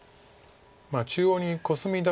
中央にコスミ出す。